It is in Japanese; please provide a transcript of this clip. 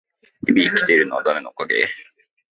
日々生きられているのは誰のおかげ？